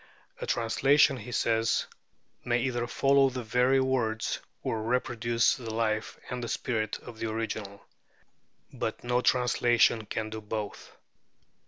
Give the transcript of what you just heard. "A translation," he says, "may either follow the very words, or reproduce the life and spirit, of the original; but no translation can do both.